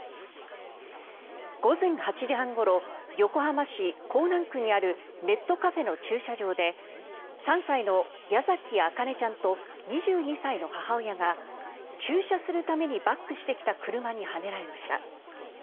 午前８時半ごろ横浜市港南区にあるネットカフェの駐車場で３歳の矢崎茜ちゃんと２２歳の母親が駐車するためにバックしてきた車にはねられました。